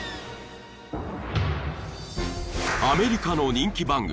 ［アメリカの人気番組］